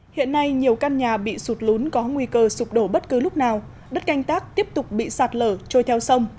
hiện nay nhiều căn nhà bị sụt lún có nguy cơ sụp đổ bất cứ lúc nào đất canh tác tiếp tục bị sạt lở trôi theo sông